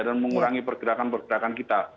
dan mengurangi pergerakan pergerakan kita